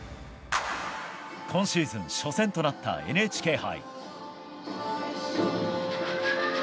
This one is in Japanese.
今シーズン初戦となったＮＨＫ杯。